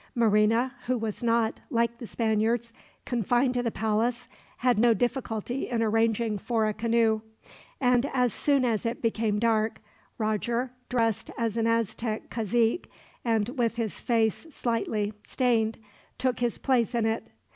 Marina who was not, like the Spaniards, confined to the palace had no difficulty in arranging for a canoe; and as soon as it became dark, Roger, dressed as an Aztec cazique, and with his face slightly stained, took his place in it.